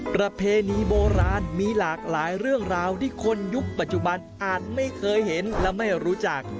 ประเพณีโบราณมีหลากหลายเรื่องราวที่คนยุคปัจจุบันอาจไม่เคยเห็นและไม่รู้จัก